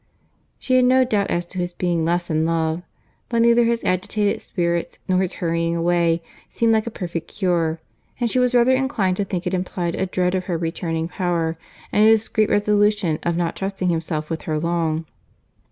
She had no doubt as to his being less in love—but neither his agitated spirits, nor his hurrying away, seemed like a perfect cure; and she was rather inclined to think it implied a dread of her returning power, and a discreet resolution of not trusting himself with her long.